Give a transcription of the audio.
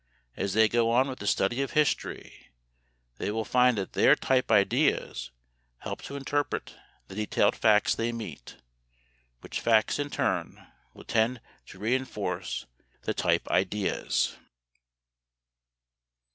As they go on with the study of history, they will find that their "type ideas" help to interpret the detailed facts they meet, which facts in turn will tend to re enforce the "type ideas."